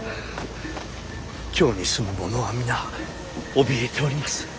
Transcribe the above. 京に住む者は皆おびえております。